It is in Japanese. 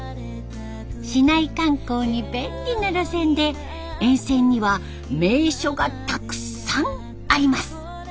市内観光に便利な路線で沿線には名所がたくさんあります。